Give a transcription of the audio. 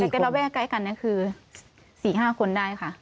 ใกล้กันคือสี่ห้าคนได้ค่ะ